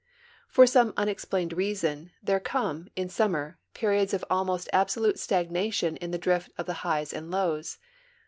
For some unexplained n^ason there come, in summer, periods of almost absolute stagnation in the drift of the highs and lows.